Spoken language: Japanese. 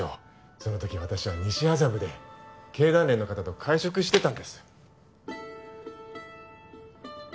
そのとき私は西麻布で経団連の方と会食してたんです